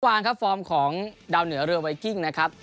วางครับฟอร์มของดาวเหนือเรือไวกิ้งนะครับ